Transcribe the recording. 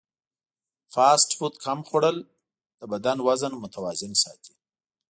فاسټ فوډ کم خوړل د بدن وزن متوازن ساتي.